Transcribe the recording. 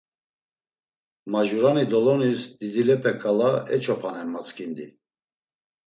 Majurani dolonis, didilepe ǩala eç̌opanen mat̆zǩindi.